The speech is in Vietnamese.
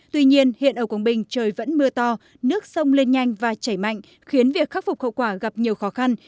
tuy nhiên hiện ở quảng bình trời vẫn mưa to nước sông lên nhanh và chảy mạnh khiến việc khắc phục hậu quả gặp nhiều khó khăn